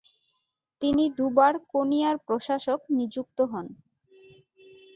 তিনি দুবার কোনিয়ার প্রশাসক নিযুক্ত হন।